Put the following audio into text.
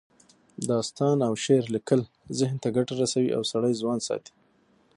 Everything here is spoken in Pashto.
داستان او شعر لیکل ذهن ته ګټه رسوي او سړی ځوان ساتي